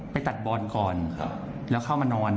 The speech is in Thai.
ไปตัดบอลก่อนแล้วเข้ามานอน